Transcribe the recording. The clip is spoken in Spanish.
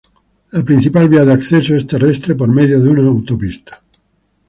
La principal via de acceso es terrestre por medio de una autopista.